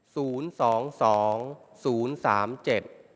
ศูนย์สองสองศูนย์สามเจ็ด